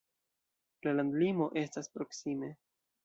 La landlimo estas proksime.